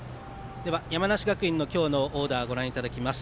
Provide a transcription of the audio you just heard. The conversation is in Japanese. では、山梨学院の今日のオーダーご覧いただきます。